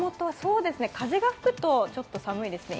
風が吹くとちょっと寒いですね。